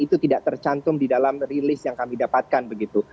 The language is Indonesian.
itu tidak tercantum di dalam rilis yang kami dapatkan begitu